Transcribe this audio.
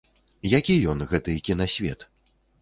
Які ён, гэты кінасвет?